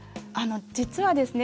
実はですね